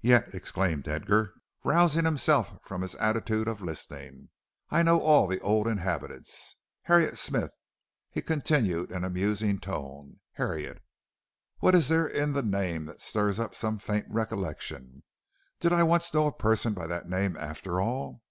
"Yet," exclaimed Edgar, rousing himself from his attitude of listening, "I know all the old inhabitants. Harriet Smith," he continued in a musing tone, "Harriet What is there in the name that stirs up some faint recollection? Did I once know a person by that name after all?"